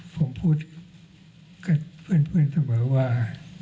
ผมพูดกับเพื่อนเสมอว่า